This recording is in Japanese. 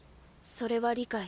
それは理解。